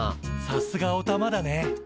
さすがおたまだね。